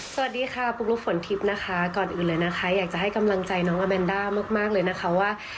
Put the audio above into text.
สวัสดีค่ะปุ๊กลุ๊กฝนทิพย์นะคะก่อนอื่นเลยนะคะอยากจะให้กำลังใจน้องอาแมนด้ามากเลยนะคะว่า